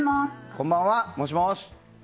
こんばんは、もしもし。